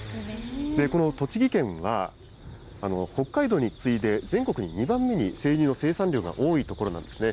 この栃木県は北海道に次いで、全国で２番目に生乳の生産量が多い所なんですね。